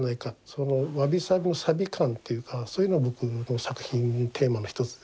そのわびさびのさび感っていうかそういうの僕作品のテーマの一つで。